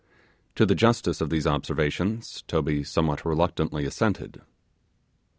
To the justice of these observations Toby somewhat reluctantly assented.